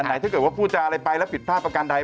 ถ้าเกิดว่าพูดจาอะไรไปแล้วผิดพลาดประกันใด